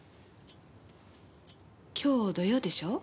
今日土曜でしょう。